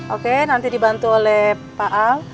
oke nanti dibantu oleh pak ang